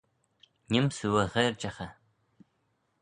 Neem's oo y gherjaghey.